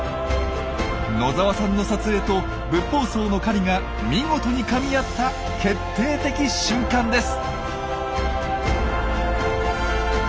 野澤さんの撮影とブッポウソウの狩りが見事にかみ合った決定的瞬間です！